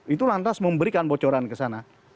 itu lantas memberikan bocoran ke sana